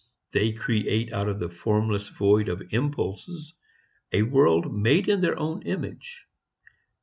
They create out of the formless void of impulses a world made in their own image.